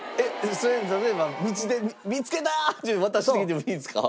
それ例えば道で「見つけた！」って渡してきてもいいんですか？